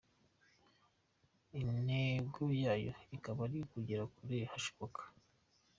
Intego yayo ikaba ari ukugera kure hashoboka.